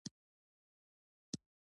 د رسنیو رول په کرنه کې څه دی؟